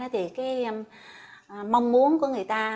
thì mong muốn của người ta